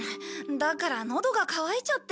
だからのどが渇いちゃって。